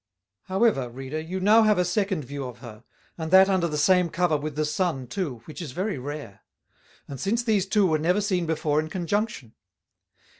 However, Reader, you have now a second View of her, and that under the same Cover with the Sun too, which is very rare; since these two were never seen before in Conjunction.